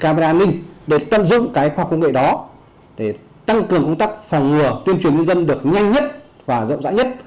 camera an ninh để tân dụng khoa học công nghệ đó để tăng cường công tác phòng ngừa tuyên truyền nhân dân được nhanh nhất và rộng rãi nhất